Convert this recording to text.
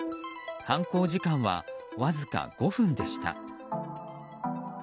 犯行時間はわずか５分でした。